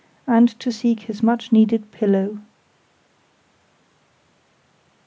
and to seek his much needed pillow.